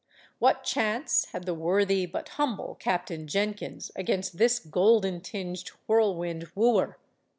What chance had the worthy, but humble, Captain Jenkins against this golden tinged whirlwind wooer?